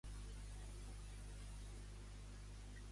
Qui va ser Isabel de Portugal Trabal i Tallada?